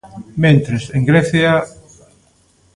Mentres, en Grecia...